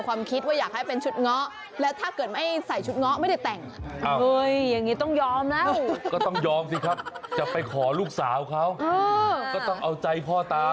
ก็ต้องยอมที่จะไปขอลูกสาวเขาก็ต้องเอาใจพ่อตา